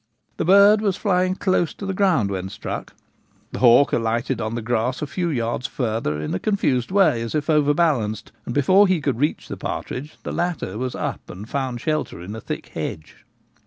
The bird was flying close to the ground when struck ; the hawk alighted on the grass 'a few yards further in a confused way as if overbalanced, and before he could reach the part ridge the latter was up and found shelter in a thick hedge.